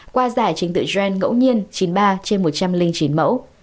qua giải trình tự gen ngẫu nhiên chín mươi ba trên một trăm linh chín mẫu